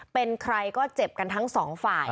เป็นใครก็เจ็บกันทั้งสองฝ่าย